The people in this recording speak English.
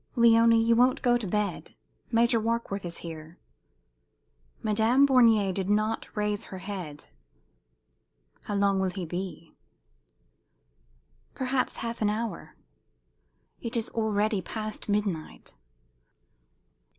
"Léonie, you won't go to bed? Major Warkworth is here." Madame Bornier did not raise her head. "How long will he be?" "Perhaps half an hour." "It is already past midnight."